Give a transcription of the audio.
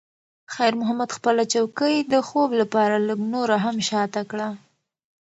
خیر محمد خپله چوکۍ د خوب لپاره لږ نوره هم شاته کړه.